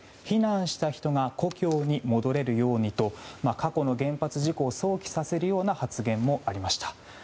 避難した人が故郷に戻れるようにと過去の原発事故を想起させるような発言もありました。